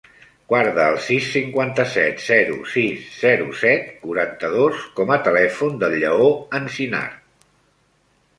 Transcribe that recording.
Guarda el sis, cinquanta-set, zero, sis, zero, set, quaranta-dos com a telèfon del Lleó Encinar.